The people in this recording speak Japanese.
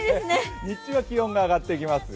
日中は気温が上がっていきますよ。